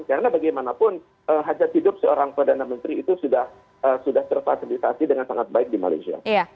karena bagaimanapun hasil hidup seorang perdana menteri itu sudah terfasilitasi dengan sangat baik di malaysia